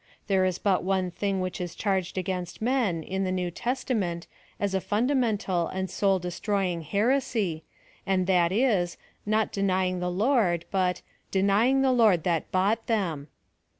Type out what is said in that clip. There is hut one thing which is charged against men, in the New Testament, as a fundamental and soul destroying heresy^ and that is, not denying the Lord, but, " denyiiig the Lord that bought them."